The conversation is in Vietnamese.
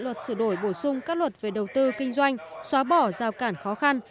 luật sửa đổi bổ sung các luật về đầu tư kinh doanh xóa bỏ rào cản khó khăn